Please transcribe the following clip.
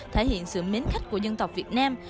thể hiện sự mến khách của dân tộc việt nam